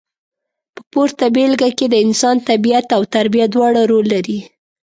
په پورته بېلګه کې د انسان طبیعت او تربیه دواړه رول لري.